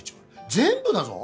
全部だぞ！